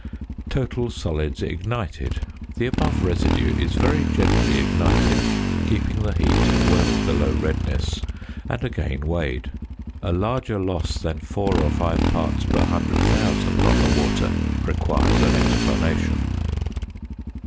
~Total Solids Ignited.~ The above residue is very gently ignited (keeping the heat well below redness), and again weighed. A larger loss than 4 or 5 parts per 100,000 on the water requires an explanation.